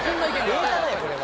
データだよこれは。